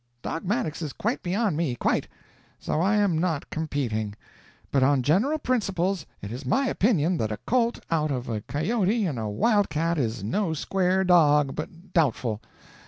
"Dogmatics is quite beyond me, quite; so I am not competing. But on general principles it is my opinion that a colt out of a coyote and a wild cat is no square dog, but doubtful.